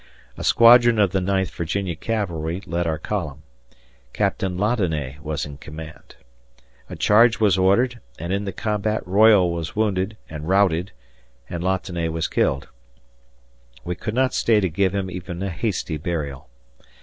A squadron of the Ninth Virginia Cavalry led our column. Captain Latané was in command. A charge was ordered, and in the combat Royall was wounded and routed, and Latané was killed. We could not stay to give him even a hasty burial.